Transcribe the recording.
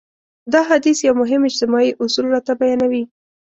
دا حديث يو مهم اجتماعي اصول راته بيانوي.